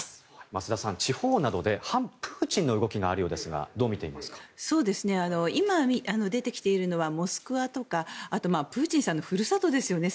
増田さん地方などで反プーチンの動きがあるようですが今、出てきているのはモスクワとかあとプーチンさんのふるさとですよね。